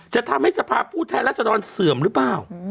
จะทำให้สภาพผู้แทนรัศดรเสื่อมหรือเปล่า